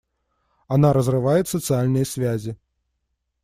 Она разрывает социальные связи.